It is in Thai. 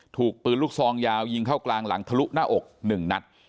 ถูกปืนลูกซองยาวยิงเข้ากลางหลังทะลุหน้าอก๑นัด